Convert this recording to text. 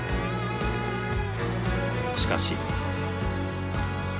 しかし。